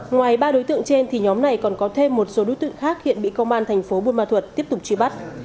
ngoài ba đối tượng trên thì nhóm này còn có thêm một số đối tượng khác hiện bị công an thành phố buôn ma thuật tiếp tục truy bắt